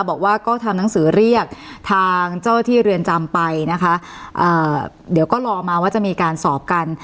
บอกว่าก็ทำหนังสือเรียกทางเจ้าที่เรือนจำไปนะคะเอ่อเดี๋ยวก็รอมาว่าจะมีการสอบกัน